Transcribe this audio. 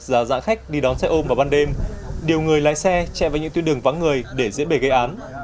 giả khách đi đón xe ôm vào ban đêm điều người lái xe chạy vào những tuyến đường vắng người để diễn bề gây án